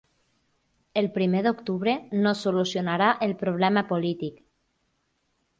El primer d’octubre no solucionarà el problema polític.